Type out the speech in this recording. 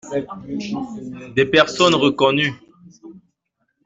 Des personnes reconnues.